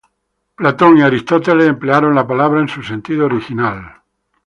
Platón y Aristóteles emplearon la palabra en su sentido original.